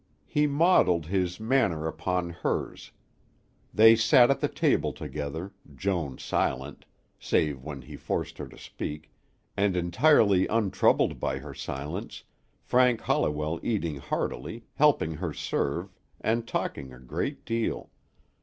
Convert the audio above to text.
He modeled his manner upon hers. They sat at the table together, Joan silent, save when he forced her to speak, and entirely untroubled by her silence, Frank Holliwell eating heartily, helping her serve, and talking a great deal.